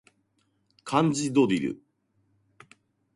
漢字ドリル